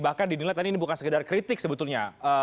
bahkan dinilai tadi ini bukan sekedar kritik sebetulnya